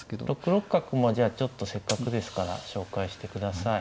６六角もじゃあちょっとせっかくですから紹介してください。